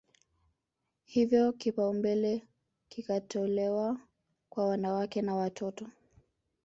Hivyo kipaumbele kikatolewa kwa wanawake na watoto